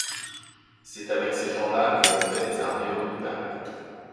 C’est avec ces gens-là que l’on fait les armées redoutables.